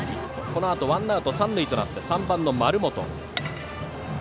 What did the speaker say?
このあとワンアウト三塁となって３番、丸本。